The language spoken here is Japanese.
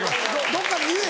どっかで言え。